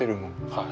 はい。